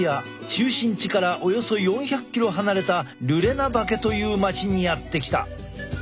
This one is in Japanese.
中心地からおよそ４００ｋｍ離れたルレナバケという町にやって来た。